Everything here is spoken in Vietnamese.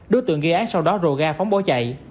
đối tượng ghi án sau đó rồ ga phóng bó chạy